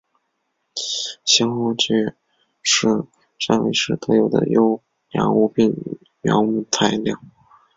香炉桔是汕尾市特有的优良无病苗木材料。